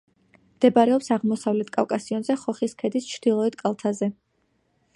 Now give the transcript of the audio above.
მდებარეობს აღმოსავლეთ კავკასიონზე, ხოხის ქედის ჩრდილოეთ კალთაზე.